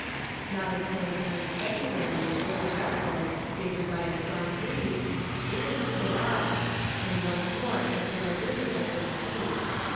Not until the 9th February were the vessels, favoured by a strong breeze, able to get off, and once more enter a really open sea.